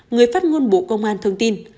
người phát ngôn bộ công an thông tin